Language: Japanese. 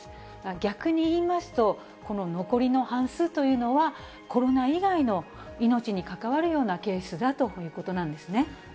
逆に言いますと、この残りの半数というのは、コロナ以外の命に関わるようなケースだということなんですね。